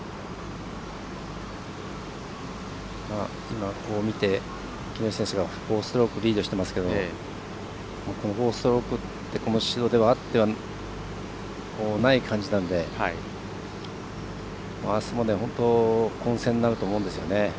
今、見て、木下選手が４ストロークリードしてますけどこの４ストロークは宍戸ではあってない感じなのであすも本当に混戦になると思うんですよね。